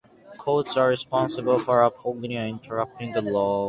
Courts are responsible for upholding and interpreting the law.